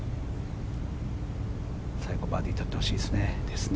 最後、バーディーを取ってほしいですね。